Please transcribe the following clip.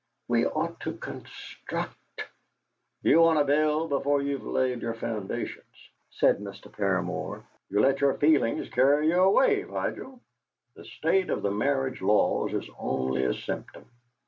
We ought to construct " "You want to build before you've laid your foundations," said Mr. Paramor. "You let your feelings carry you away, Vigil. The state of the marriage laws is only a symptom.